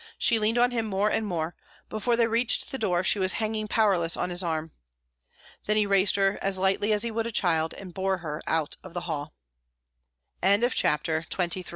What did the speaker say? She leaned on him more and more; before they reached the door, she was hanging powerless on his arm. Then he raised her as lightly as he would a child, and bore her out of the hall. CHAPTER XXIV. That evening after the ba